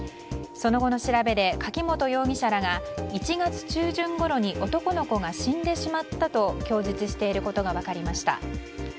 その後の調べで、柿本容疑者らが１月中旬ごろに男の子が死んでしまったと供述していることが分かりました。